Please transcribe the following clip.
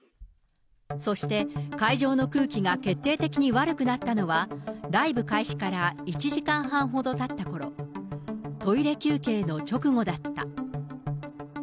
そして会場の空気が決定的に悪くなったのは、ライブ開始から１時間半ほどたったころ、トイレ休憩の直後だった。